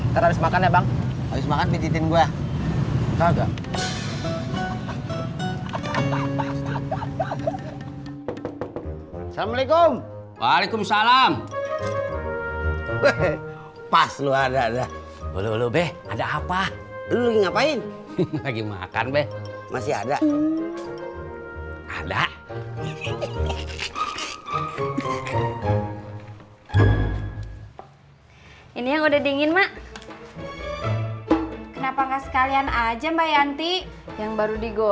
sampai jumpa di video selanjutnya